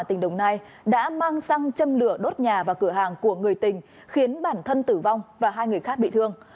tỉnh đồng nai đã mang xăng châm lửa đốt nhà và cửa hàng của người tình khiến bản thân tử vong và hai người khác bị thương